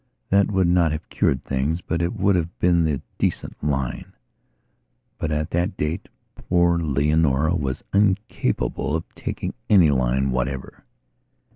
That would not have cured things but it would have been the decent line,... But, at that date, poor Leonora was incapable of taking any line whatever.